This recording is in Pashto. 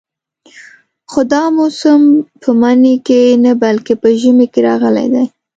خو دا موسم په مني کې نه بلکې په ژمي کې راغلی دی.